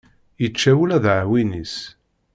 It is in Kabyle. Yečča ula d aɛwin-is.